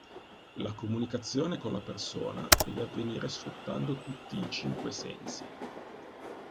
La comunicazione con la persona deve avvenire sfruttando tutti i cinque sensi.